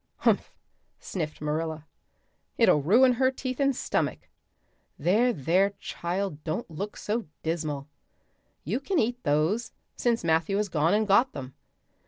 "Humph," sniffed Marilla. "It'll ruin her teeth and stomach. There, there, child, don't look so dismal. You can eat those, since Matthew has gone and got them.